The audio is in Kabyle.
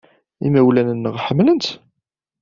Imawlan-nneɣ ḥemmlen-tt.